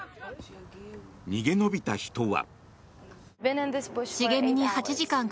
逃げ延びた人は。